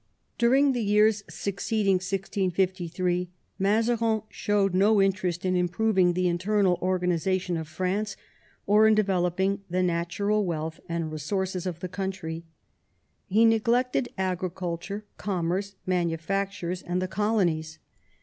I^^uring the years succeeding 1653 Mazarin showed no interest in improving the internal organisation of France, or in developing the natural wealth and re sources of the country. He neglected agriculture, com merce, manufactures, and the colonies.